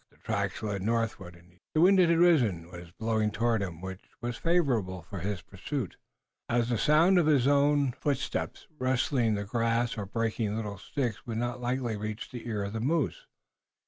The tracks led northward and he studied them with care. The wind had risen and was blowing toward him, which was favorable for his pursuit, as the sound of his own footsteps rustling the grass or breaking a little stick would not be likely to reach the ear of the moose.